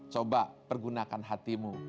coba pergunakan hatimu